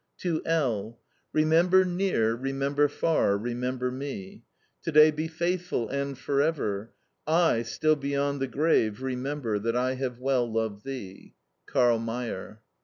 To L Remember near Remember far, Remember me. To day be faithful, and for ever Aye, still beyond the grave remember That I have well loved thee. "KARL MAYER."